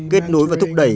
kết nối và thúc đẩy